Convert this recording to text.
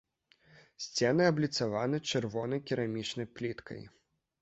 Сцены абліцаваны чырвонай керамічнай пліткай.